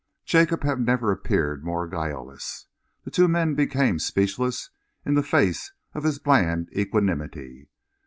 Jacob had never appeared more guileless. The two men became speechless in the face of his bland equanimity.